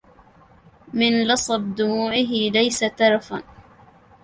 من لصب دموعه ليس ترفا